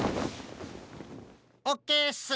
オッケーっす。